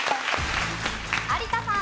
有田さん。